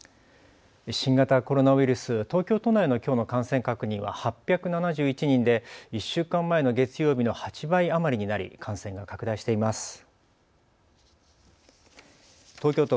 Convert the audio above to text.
新型コロナウイルス、東京都内のきょうの感染確認は８７１人で１週間前の月曜日の８倍余りになり感染が拡大しています。